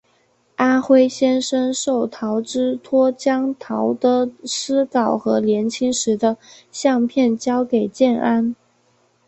阿辉先生受陶之托将陶的诗稿和年轻时的相片交给建安。